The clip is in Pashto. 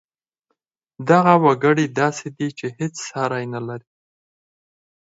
دغه وګړی داسې دی چې هېڅ ساری نه لري